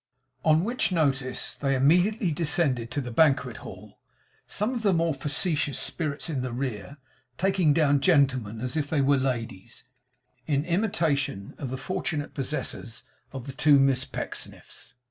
On which notice they immediately descended to the banquet hall; some of the more facetious spirits in the rear taking down gentlemen as if they were ladies, in imitation of the fortunate possessors of the two Miss Pecksniffs.